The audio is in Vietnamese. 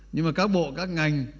nhưng mà các bộ các ngành